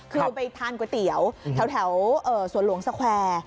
คือไปทานก๋วยเตี๋ยวแถวสวนหลวงสแควร์